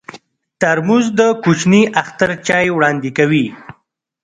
ترموز د کوچني اختر چای وړاندې کوي.